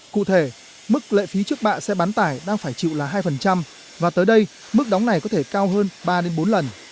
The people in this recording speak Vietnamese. cụ thể mức lệ phí trước bạ xe bán tải đang phải chịu là hai và tới đây mức đóng này có thể cao hơn ba bốn lần